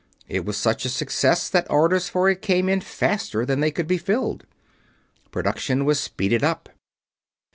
It was such a success that orders for it came in faster than they could be filled. Production was speeded up.